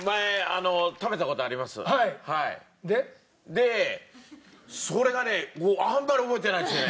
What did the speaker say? でそれがねあんまり覚えてないですね。